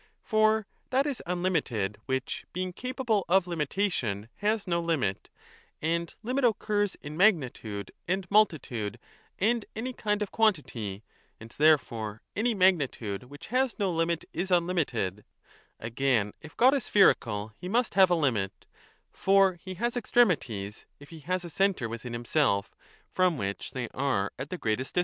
For that is unlimited which, being capable of limitation, has no limit, and limit occurs in magnitude and multitude and any kind of quantity ; and therefore any magnitude which has no limit is unlimited. "Again, if God is spherical, 20 he must have a limit ; for he has extremities, if he has a centre within himself from which they are at the greatest 1 Reading 3t with Mullach and Apelt and putting a full stop before fva. 9 ?